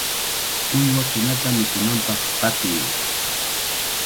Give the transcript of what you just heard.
¡Uywakunata mikunanpaq qatiy!